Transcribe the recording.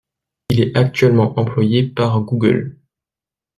Il est actuellement employé par Google.